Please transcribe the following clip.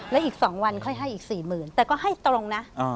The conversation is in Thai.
และอีก๒วันค่อยให้อีก๔๐๐๐แต่ก็ให้ตรงนะ